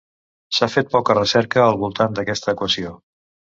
S'ha fet poca recerca al voltant d'aquesta equació.